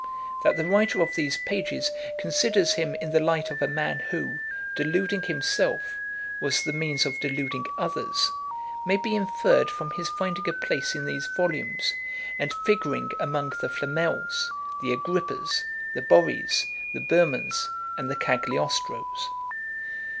That the writer of these pages considers him in the light of a man who, deluding himself, was the means of deluding others, may be inferred from his finding a place in these volumes, and figuring among the Flamels, the Agrippas, the Borris, the Böhmens, and the Cagliostros.